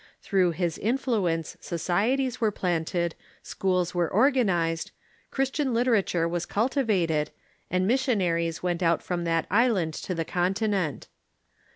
Through his influence societies were planted, schools were organized. Chris tian literature Avas cultivated, and missionaries went out from that island to the Continent.